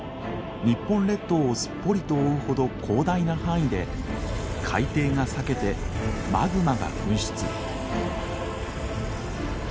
日本列島をすっぽりと覆うほど広大な範囲で海底が裂けてマグマが噴出。